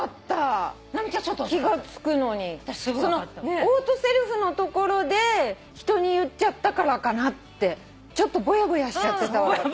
オートセルフの所で人に言っちゃったからかなってちょっとぼやぼやしちゃってたわ私。